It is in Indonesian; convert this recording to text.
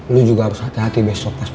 lo juga harus hati hati besok pas final